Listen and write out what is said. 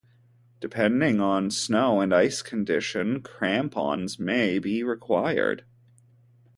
Depending on snow and ice conditions, crampons may be required.